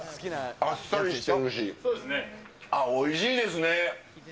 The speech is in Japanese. あっ、おいしいですね。